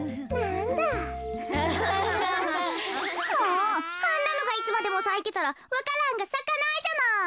あんなのがいつまでもさいてたらわか蘭がさかないじゃない。